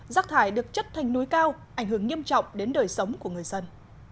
rác thải được chất thành núi cao ảnh hưởng nghiêm trọng đến đời sống của người dân